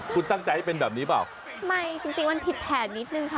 คุณตั้งใจให้เป็นแบบนี้เปล่าไม่จริงจริงมันผิดแผนนิดนึงค่ะ